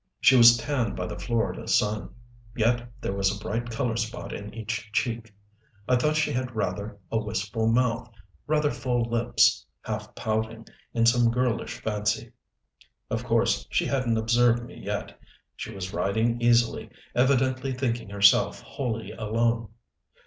She was tanned by the Florida sun, yet there was a bright color spot in each cheek. I thought she had rather a wistful mouth, rather full lips, half pouting in some girlish fancy. Of course she hadn't observed me yet. She was riding easily, evidently thinking herself wholly alone.